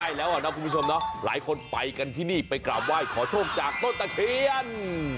ใช่แล้วอ่ะนะคุณผู้ชมเนาะหลายคนไปกันที่นี่ไปกราบไหว้ขอโชคจากต้นตะเคียน